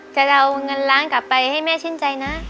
จะเอาเงินล้านกลับไปให้แม่ชื่นใจนะ